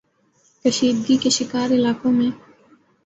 کشیدگی کے شکار علاقوں میں